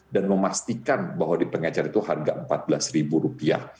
dan memastikan bahwa di pengecar itu harga empat belas rupiah